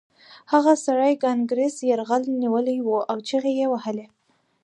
هغه سړي کانګرس یرغمل نیولی و او چیغې یې وهلې